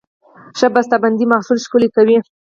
ښه بسته بندي محصول ښکلی کوي.